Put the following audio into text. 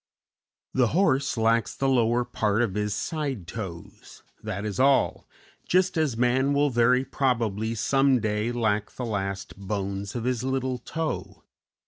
The horse lacks the lower part of his side toes, that is all, just as man will very probably some day lack the last bones of his little toe.